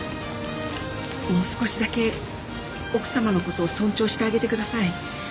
もう少しだけ奥さまのことを尊重してあげてください。